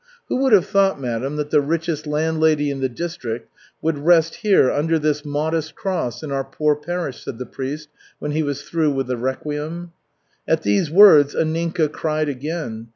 "Who would have thought, madam, that the richest landlady in the district would rest here under this modest cross in our poor parish?" said the priest when he was through with the requiem. At these words Anninka cried again.